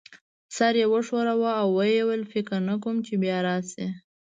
سر یې وښوراوه او ويې ویل: فکر نه کوم چي بیا راشې.